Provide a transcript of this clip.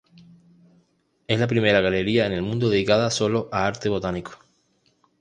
Es la primera galería en el mundo dedicada sólo a arte botánico.